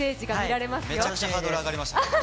めちゃくちゃハードル上がりましたね。